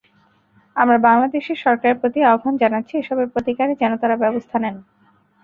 আমরা বাংলাদেশের সরকারের প্রতি আহ্বান জানাচ্ছি, এসবের প্রতিকারে যেন তারা ব্যবস্থা নেন।